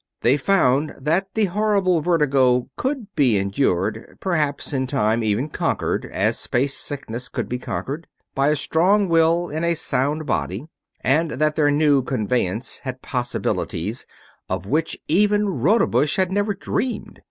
They found that the horrible vertigo could be endured, perhaps in time even conquered as space sickness could be conquered, by a strong will in a sound body; and that their new conveyance had possibilities of which even Rodebush had never dreamed.